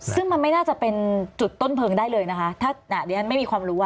ซึ่งมันไม่น่าจะเป็นจุดต้นเพลิงได้เลยนะคะถ้าดิฉันไม่มีความรู้อ่ะ